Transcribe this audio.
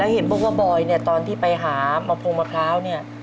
แล้วเห็นบอกว่าบอยตอนที่ไปหามะพรงมะพร้าวนี่